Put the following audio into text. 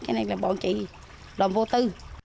cái này là bọn chị đồn vô tư